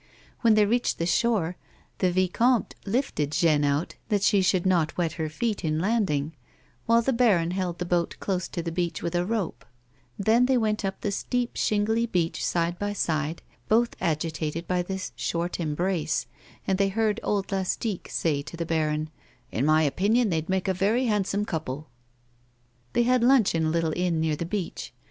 When they reached the shore, the vicomte lifted Jeanne out that she should not wet her feet in landing, while the baron held the boat close to the beach with a rope ; then they went up the steep, shingly beach side by side, both agitated by this short embrace, and they heard old Lastique say to the baron :" In my opinion they'd make a very handsome couple." They had lunch in a little inn near the beach.